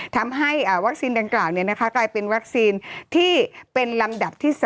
ทำให้วัคซีนดังกล่าวกลายเป็นวัคซีนที่เป็นลำดับที่๓